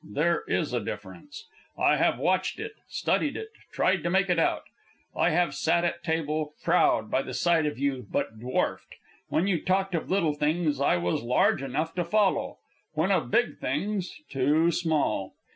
There is a difference. I have watched it, studied it, tried to make it out. I have sat at table, proud by the side of you, but dwarfed. When you talked of little things I was large enough to follow; when of big things, too small.